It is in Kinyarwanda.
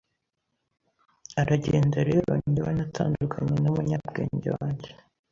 Aragenda rero Jyewe natandukanye n'umunyabwenge wanjye